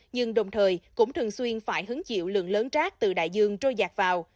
nhưng đồng thời cũng thường xuyên phải hứng chịu lượng lớn rác từ đại dương trôi giạt vào